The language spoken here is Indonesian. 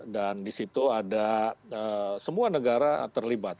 dan di situ ada semua negara terlibat